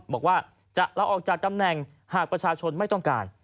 บอกว่าจะลาออกจากตำแหน่งหากประชาชนไม่ต้องการ